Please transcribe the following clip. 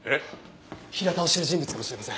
平田を知る人物かもしれません。